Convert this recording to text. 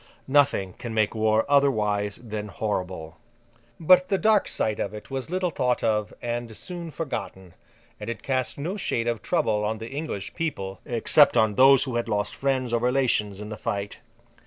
Nothing can make war otherwise than horrible. But the dark side of it was little thought of and soon forgotten; and it cast no shade of trouble on the English people, except on those who had lost friends or relations in the fight.